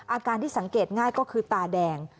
อาการที่สังเกตง่ายก็คือตาแดง